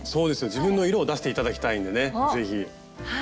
自分の色を出して頂きたいんでね是非。